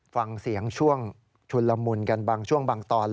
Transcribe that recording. ฟังเสียงช่วงชุนละมุนกันบางช่วงบางตอน